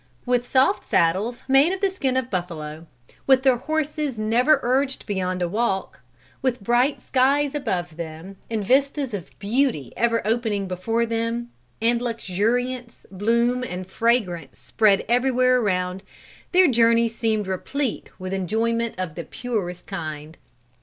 With soft saddles made of the skin of buffalo, with their horses never urged beyond a walk, with bright skies above them, and vistas of beauty ever opening before them, and luxuriance, bloom and fragrance spread everywhere around, their journey seemed replete with enjoyment of the purest kind.